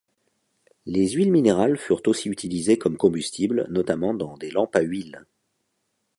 Les huiles minérales furent aussi utilisées comme combustible, notamment dans des lampes à huile.